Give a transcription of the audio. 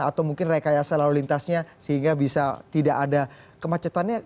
atau mungkin rekayasa lalu lintasnya sehingga bisa tidak ada kemacetannya